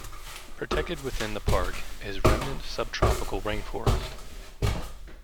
Protected within the park is remnant subtropical rainforest.